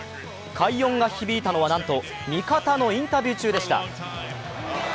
快音が響いたのはなんと味方のインタビュー中でした。